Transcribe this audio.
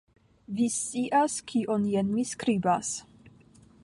Vi scias kion jen mi skribas!